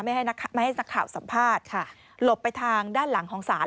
ไม่ให้นักข่าวสัมภาษณ์ค่ะหลบไปทางด้านหลังของศาล